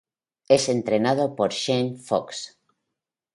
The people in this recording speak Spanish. Es entrenado por Shane Fox.